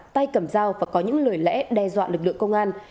tay cầm dao và có những lời lẽ đe dọa lực lượng công an